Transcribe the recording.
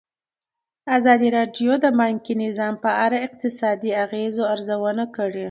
ازادي راډیو د بانکي نظام په اړه د اقتصادي اغېزو ارزونه کړې.